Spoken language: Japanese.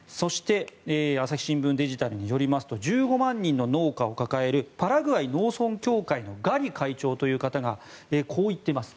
朝日新聞デジタルによると１５万人の農家を抱えるパラグアイ農村協会のガリ会長という方がこう言っています。